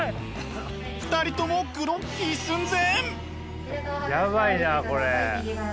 ２人ともグロッキー寸前。